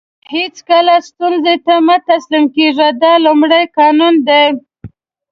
هیڅکله ستونزو ته مه تسلیم کېږئ دا لومړی قانون دی.